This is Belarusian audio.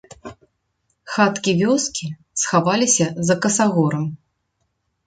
Хаткі вёскі схаваліся за касагорам.